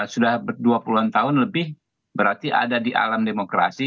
sudah dua puluh an tahun lebih berarti ada di alam demokrasi